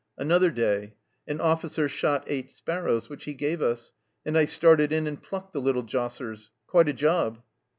Another day "An officer shot eight sparrows, which he gave us, and I started in and plucked the little jossers. Quite a job